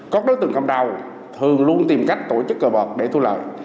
các đối tượng cầm đào thường luôn tìm cách tổ chức cơ bạc để thu lợi